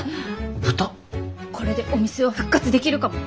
これでお店を復活できるかも！